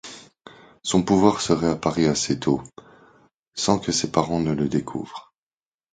Son pouvoir serait apparu assez tôt, sans que ses parents ne le découvrent.